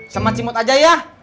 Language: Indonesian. sama cimut aja ya